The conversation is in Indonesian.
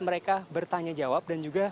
mereka bertanya jawab dan juga